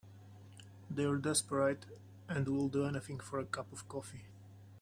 They're desperate and will do anything for a cup of coffee.